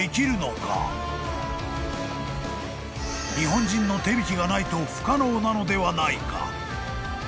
［日本人の手引きがないと不可能なのではないか？］